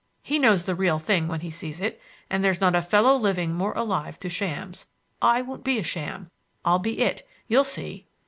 He knows the real thing when he sees it, and there's not a fellow living more alive to shams. I won't be a sham. I'll be it. You'll see."